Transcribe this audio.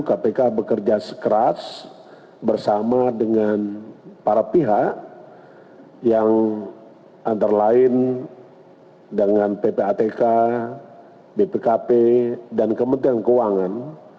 kpk bekerja sekeras bersama dengan para pihak yang antara lain dengan ppatk bpkp dan kementerian keuangan